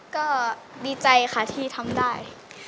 ก็ดีใจค่ะที่ทำได้